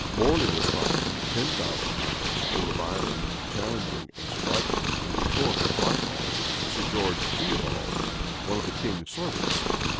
Morley was fined ten thousand pounds for reviling, challenging, and striking, in the court of Whitehall, Sir George Theobald, one of the king's servants.